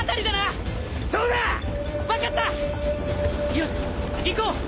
よし行こう！